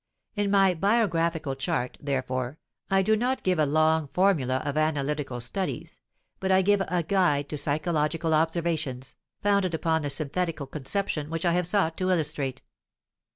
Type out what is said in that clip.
In my "biographical chart," therefore, I do not give a long formula of analytical studies, but I give a "guide to psychological observations," founded upon the synthetical conception which I have sought to illustrate.